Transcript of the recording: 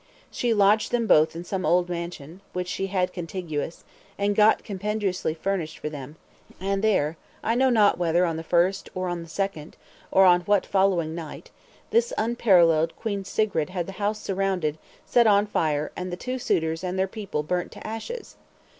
She lodged them both in some old mansion, which she had contiguous, and got compendiously furnished for them; and there, I know not whether on the first or on the second, or on what following night, this unparalleled Queen Sigrid had the house surrounded, set on fire, and the two suitors and their people burnt to ashes!